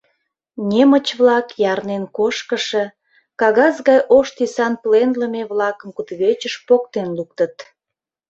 Немыч-влак ярнен кошкышо, кагаз гай ош тӱсан пленлыме-влакым кудывечыш поктен луктыт.